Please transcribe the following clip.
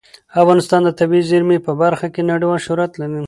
افغانستان د طبیعي زیرمې په برخه کې نړیوال شهرت لري.